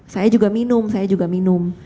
saya juga minum saya juga minum